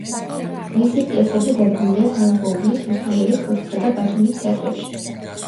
მისი პიესები დადგმულია სამეფო უბნის, რუსთაველის, ფოთისა და ბათუმის თეატრებში.